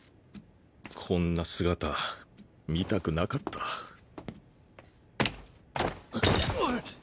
こんな姿見たくなかったおい。